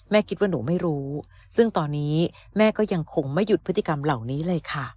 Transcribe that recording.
คิดว่าหนูไม่รู้ซึ่งตอนนี้แม่ก็ยังคงไม่หยุดพฤติกรรมเหล่านี้เลยค่ะ